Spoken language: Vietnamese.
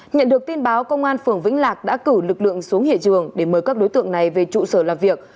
nhận được tin báo công an phường vĩnh lạc đã cử lực lượng xuống hiện trường để mời các đối tượng này về trụ sở làm việc